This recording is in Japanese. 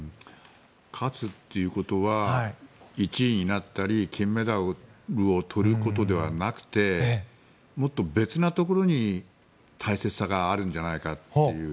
勝つっていうことは１位になったり金メダルを取ることではなくてもっと別なところに大切さがあるんじゃないかっていう。